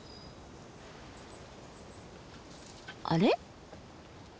あれ？